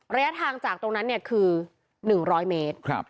ระยะทางจากตรงนั้นคือ๑๐๐เมตร